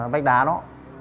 vách đá đó